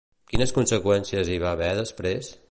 Quines conseqüències hi va haver després?